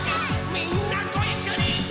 「みんなごいっしょにー！」